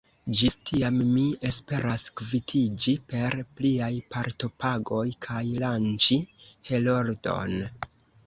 Ĝis tiam mi esperas kvitiĝi per pliaj partopagoj kaj lanĉi Heroldon.